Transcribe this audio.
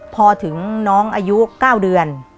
พอถึงน้องอายุ๙เดือน